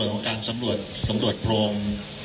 คุณผู้ชมไปฟังผู้ว่ารัฐกาลจังหวัดเชียงรายแถลงตอนนี้ค่ะ